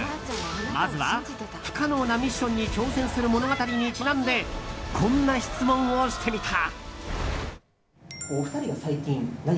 まずは不可能なミッションに挑戦する物語にちなんでこんな質問をしてみた。